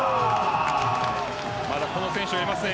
まだこの選手がいますね